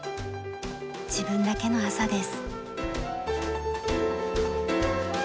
自分だけの朝です。